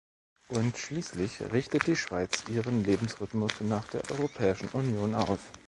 Und schließlich richtet die Schweiz ihren Lebensrhythmus nach der Europäischen Union aus.